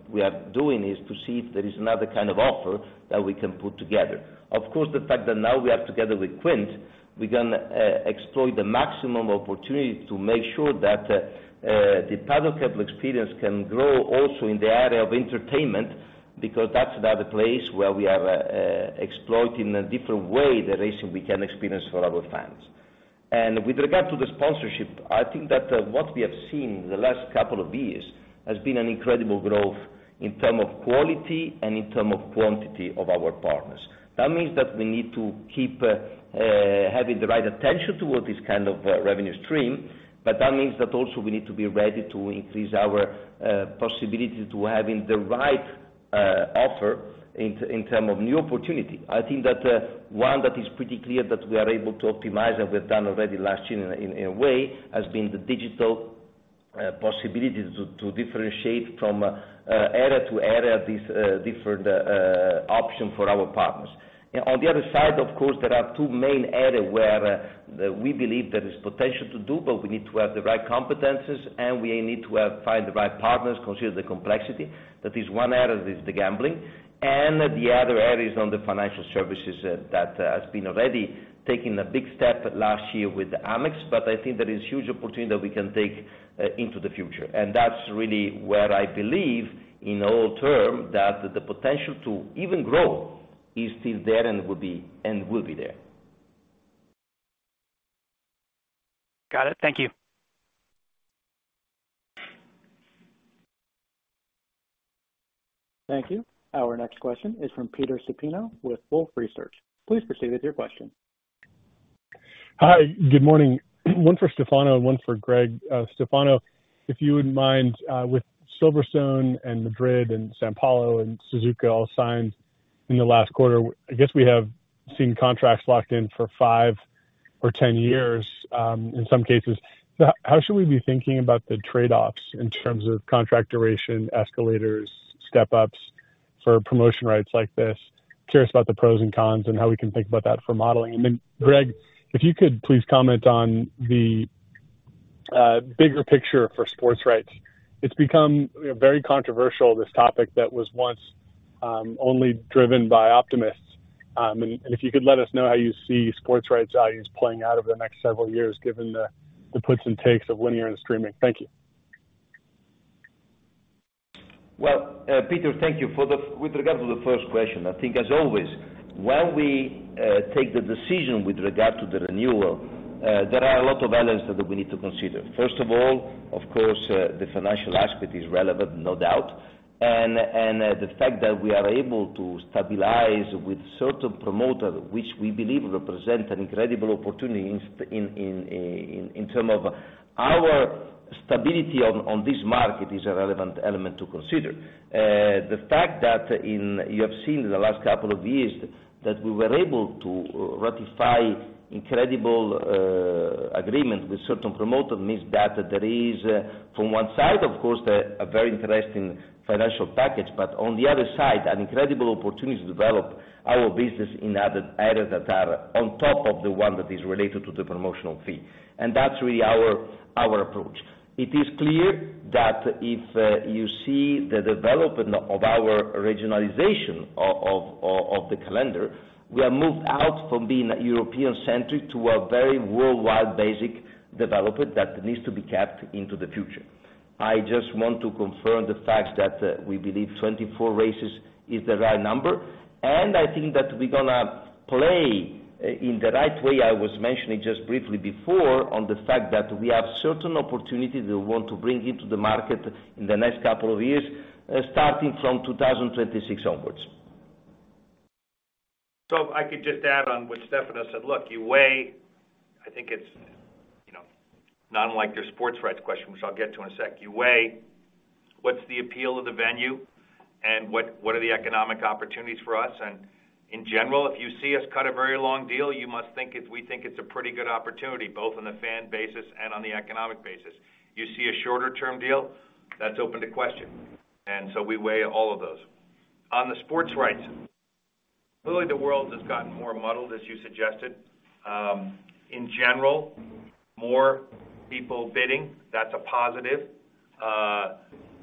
S5: we are doing is to see if there is another kind of offer that we can put together. Of course, the fact that now we are together with Quint, we're going to exploit the maximum opportunity to make sure that the Paddock Club experience can grow also in the area of entertainment because that's another place where we are exploiting in a different way the racing we can experience for our fans. With regard to the sponsorship, I think that what we have seen the last couple of years has been an incredible growth in terms of quality and in terms of quantity of our partners. That means that we need to keep having the right attention towards this kind of revenue stream. But that means that also we need to be ready to increase our possibility to having the right offer in terms of new opportunity. I think that one that is pretty clear that we are able to optimize and we have done already last year in a way has been the digital possibility to differentiate from area to area these different options for our partners. On the other side, of course, there are two main areas where we believe there is potential to do, but we need to have the right competencies, and we need to find the right partners, consider the complexity. That is one area that is the gambling. And the other area is on the financial services that has been already taking a big step last year with Amex. But I think there is huge opportunity that we can take into the future. And that's really where I believe, in all term, that the potential to even grow is still there and will be there.
S13: Got it. Thank you.
S1: Thank you. Our next question is from Peter Supino with Wolfe Research. Please proceed with your question.
S14: Hi. Good morning. One for Stefano and one for Greg. Stefano, if you wouldn't mind, with Silverstone and Madrid and São Paulo and Suzuka all signed in the last quarter, I guess we have seen contracts locked in for 5 or 10 years in some cases. So how should we be thinking about the trade-offs in terms of contract duration, escalators, step-ups for promotion rights like this? Curious about the pros and cons and how we can think about that for modeling. And then, Greg, if you could please comment on the bigger picture for sports rights. It's become very controversial, this topic that was once only driven by optimists. If you could let us know how you see sports rights values playing out over the next several years given the puts and takes of linear and streaming? Thank you.
S5: Well, Peter, thank you. With regard to the first question, I think, as always, when we take the decision with regard to the renewal, there are a lot of elements that we need to consider. First of all, of course, the financial aspect is relevant, no doubt. And the fact that we are able to stabilize with certain promoters, which we believe represent an incredible opportunity in terms of our stability on this market, is a relevant element to consider. The fact that you have seen in the last couple of years that we were able to ratify incredible agreements with certain promoters means that there is, from one side, of course, a very interesting financial package, but on the other side, an incredible opportunity to develop our business in other areas that are on top of the one that is related to the promotional fee. That's really our approach. It is clear that if you see the development of our regionalization of the calendar, we have moved out from being European-centric to a very worldwide basic development that needs to be kept into the future. I just want to confirm the fact that we believe 24 races is the right number. And I think that we're going to play in the right way. I was mentioning just briefly before on the fact that we have certain opportunities that we want to bring into the market in the next couple of years, starting from 2026 onwards.
S3: So if I could just add on what Stefano said. Look, you weigh. I think it's not unlike your sports rights question, which I'll get to in a sec. You weigh what's the appeal of the venue and what are the economic opportunities for us. And in general, if you see us cut a very long deal, you must think we think it's a pretty good opportunity, both on the fan basis and on the economic basis. You see a shorter-term deal, that's open to question. And so we weigh all of those. On the sports rights, clearly, the world has gotten more muddled, as you suggested. In general, more people bidding. That's a positive.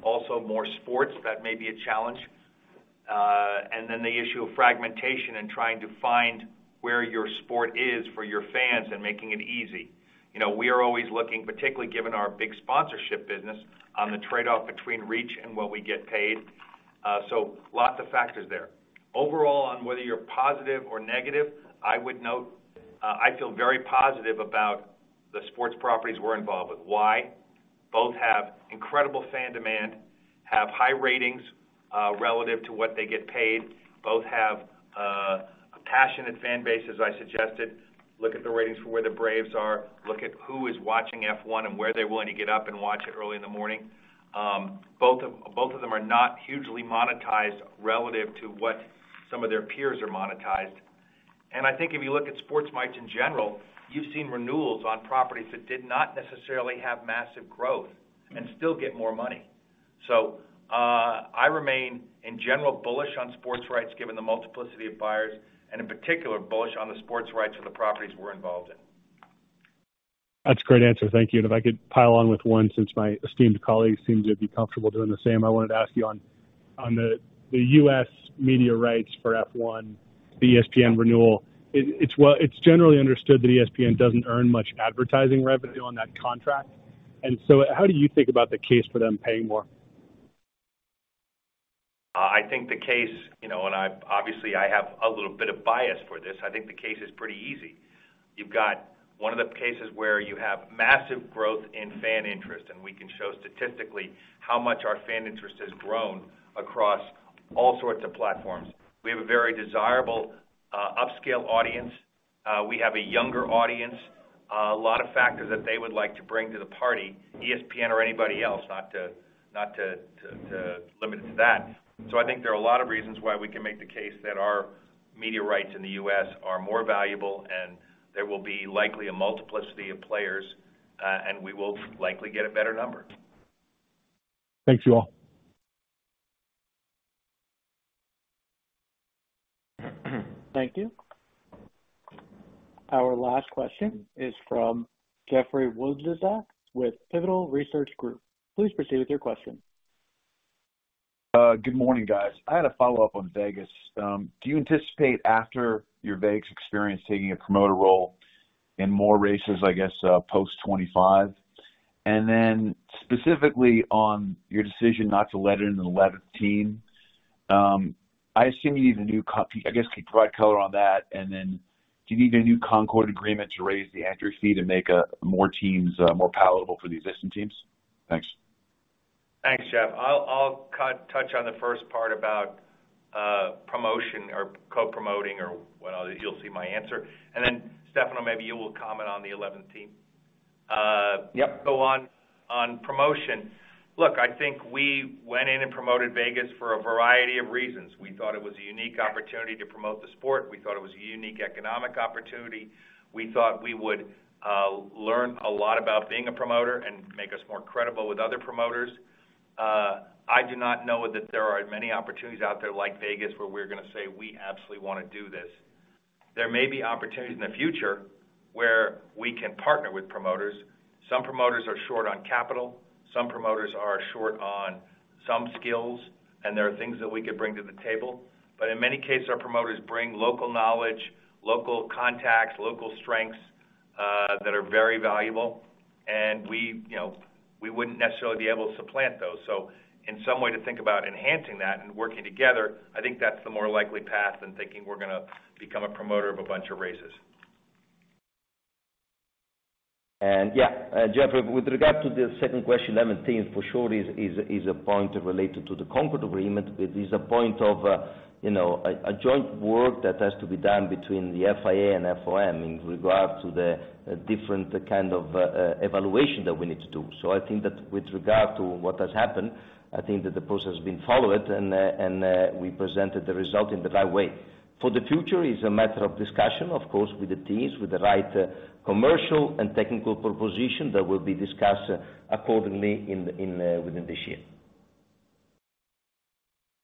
S3: Also, more sports. That may be a challenge. And then the issue of fragmentation and trying to find where your sport is for your fans and making it easy. We are always looking, particularly given our big sponsorship business, on the trade-off between reach and what we get paid. So lots of factors there. Overall, on whether you're positive or negative, I would note I feel very positive about the sports properties we're involved with. Why? Both have incredible fan demand, have high ratings relative to what they get paid, both have a passionate fan base, as I suggested. Look at the ratings for where the Braves are. Look at who is watching F1 and where they're willing to get up and watch it early in the morning. Both of them are not hugely monetized relative to what some of their peers are monetized. And I think if you look at sports rights in general, you've seen renewals on properties that did not necessarily have massive growth and still get more money. So I remain, in general, bullish on sports rights given the multiplicity of buyers and, in particular, bullish on the sports rights for the properties we're involved in.
S14: That's a great answer. Thank you. And if I could pile on with one, since my esteemed colleagues seem to be comfortable doing the same, I wanted to ask you on the US media rights for F1, the ESPN renewal. It's generally understood that ESPN doesn't earn much advertising revenue on that contract. And so how do you think about the case for them paying more?
S3: I think the case and obviously, I have a little bit of bias for this. I think the case is pretty easy. You've got one of the cases where you have massive growth in fan interest, and we can show statistically how much our fan interest has grown across all sorts of platforms. We have a very desirable upscale audience. We have a younger audience. A lot of factors that they would like to bring to the party, ESPN or anybody else, not to limit it to that. So I think there are a lot of reasons why we can make the case that our media rights in the U.S. are more valuable, and there will be likely a multiplicity of players, and we will likely get a better number.
S14: Thank you all.
S1: Thank you. Our last question is from Jeffrey Wlodarczak with Pivotal Research Group.
S15: Please proceed with your question. Good morning, guys. I had a follow-up on Vegas. Do you anticipate, after your Vegas experience, taking a promoter role in more races, I guess, post 2025? And then specifically on your decision not to let in another team, I assume you need a new I guess, could you provide color on that? And then do you need a new Concorde Agreement to raise the entry fee to make more teams more palatable for the existing teams? Thanks.
S3: Thanks, Jeff. I'll touch on the first part about promotion or co-promoting or whatever. You'll see my answer. And then, Stefano, maybe you will comment on the 11th team. Go on. On promotion. Look, I think we went in and promoted Vegas for a variety of reasons. We thought it was a unique opportunity to promote the sport. We thought it was a unique economic opportunity. We thought we would learn a lot about being a promoter and make us more credible with other promoters. I do not know that there are many opportunities out there, like Vegas, where we're going to say, "We absolutely want to do this." There may be opportunities in the future where we can partner with promoters. Some promoters are short on capital. Some promoters are short on some skills. And there are things that we could bring to the table. But in many cases, our promoters bring local knowledge, local contacts, local strengths that are very valuable. And we wouldn't necessarily be able to supplant those. So in some way, to think about enhancing that and working together, I think that's the more likely path than thinking we're going to become a promoter of a bunch of races.
S5: And yeah. Jeff, with regard to the second question, 11th team, for sure, is a point related to the Concorde Agreement, but it is a point of a joint work that has to be done between the FIA and FOM in regard to the different kind of evaluation that we need to do. So I think that with regard to what has happened, I think that the process has been followed, and we presented the result in the right way. For the future, it's a matter of discussion, of course, with the teams, with the right commercial and technical proposition that will be discussed accordingly within this year.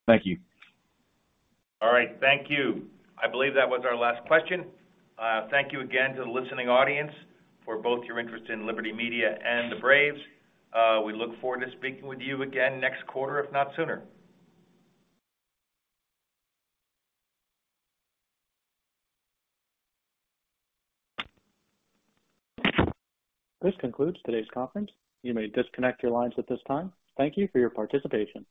S15: Thank you.
S3: All right. Thank you. I believe that was our last question. Thank you again to the listening audience for both your interest in Liberty Media and the Braves. We look forward to speaking with you again next quarter, if not sooner.
S1: This concludes today's conference. You may disconnect your lines at this time. Thank you for your participation.